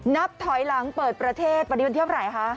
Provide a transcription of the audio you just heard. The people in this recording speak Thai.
นับถอยหลังเปิดประเทศวันนี้วันที่เท่าไหร่คะ